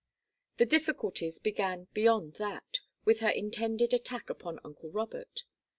The difficulties began beyond that, with her intended attack upon uncle Robert.